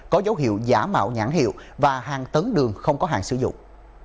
có dấu hiệu giả mạo nhãn hiệu và hàng tấn đường không có hàng sử dụng